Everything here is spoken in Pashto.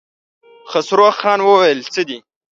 خسرو خان وويل: څه دي؟